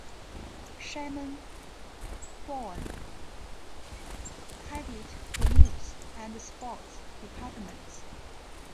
Sherman Bowen headed the News and Sports departments.